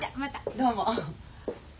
どうも。